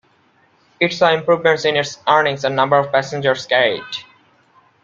It saw improvements in its earnings and number of passengers carried.